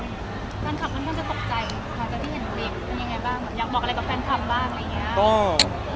มองอะไรกับแฟนคลัมบ้าง